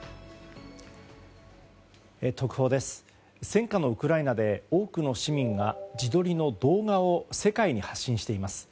戦禍のウクライナで多くの市民が自撮りの動画を世界に発信しています。